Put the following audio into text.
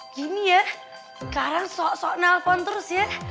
gini ya sekarang sok sok nelpon terus ya